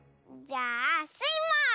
じゃあスイも！